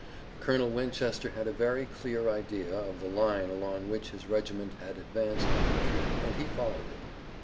Colonel Winchester had a very clear idea of the line along which his regiment had advanced and retreated, and he followed it.